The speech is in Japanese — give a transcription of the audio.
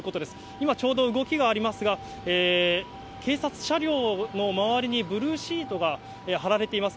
今ちょうど動きがありますが、警察車両の周りにブルーシートが張られています。